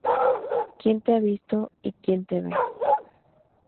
Quién te ha visto y quién te ve